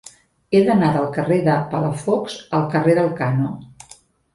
He d'anar del carrer de Palafox al carrer d'Elkano.